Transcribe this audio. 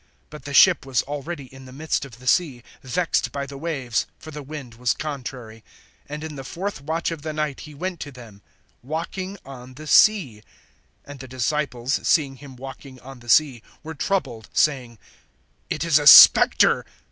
(24)But the ship was already in the midst of the sea, vexed by the waves; for the wind was contrary. (25)And in the fourth watch of the night he went to them, walking on the sea. (26)And the disciples, seeing him walking on the sea, were troubled, saying: It is a spectre.